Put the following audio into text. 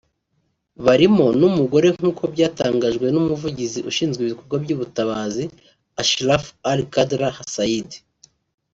barimo n’umugore nk’uko byatangajwe n’umuvugizi ushinzwe ibikorwa by’ubutabazi Ashraf al-Qudra said